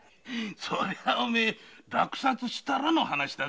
そりゃあ落札したらの話だぜ。